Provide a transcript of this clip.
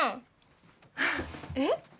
えっ？